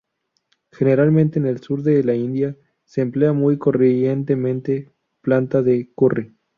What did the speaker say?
Generalmente en el sur de la India se emplea muy corrientemente planta de curry.